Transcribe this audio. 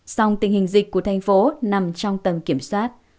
song tình hình dịch của thành phố nằm trong tầm kiểm soát